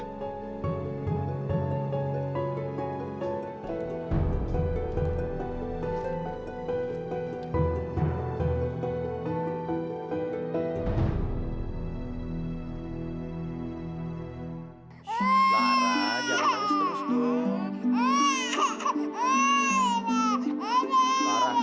lara jangan nangis terus dong